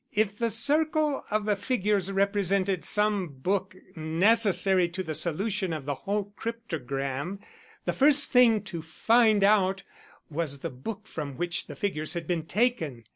If the circle of figures represented some book necessary to the solution of the whole cryptogram, the first thing to find out was the book from which the figures had been taken.